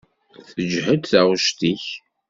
Teǧhed taɣect-ik.